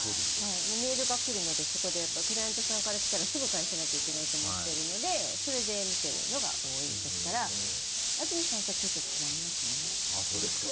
メールがくるので、クライアントさんからくるとすぐ返さなきゃいけないと思っているのでそれで見てるのが多いですから、安住さんとはちょっと違いますね。